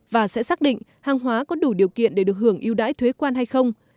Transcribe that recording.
và sẽ xác định hàng hóa có đủ điều kiện để được hưởng yêu đãi thuế quan hay không